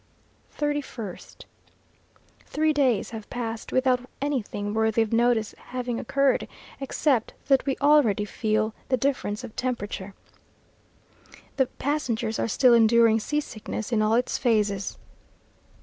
31st. Three days have passed without anything worthy of notice having occurred, except that we already feel the difference of temperature. The passengers are still enduring sea sickness in all its phases.